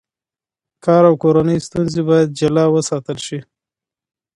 کار او کورنۍ ستونزې باید جلا وساتل شي.